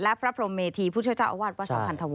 และพระพรมเมธีผู้เชื่อเจ้าอาวาสวสาวพันธวร